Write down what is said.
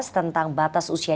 tentang batas usia